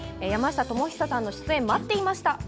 山下智久さんの出演待っていました。